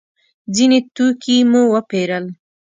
ځینې توکي مو وپېرل.